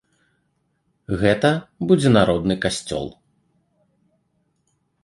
Гэта будзе народны касцёл!